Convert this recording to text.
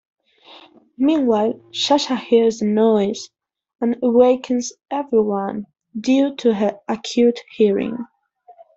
Meanwhile, Sasha hears a noise and awakens everyone, due to her acute hearing.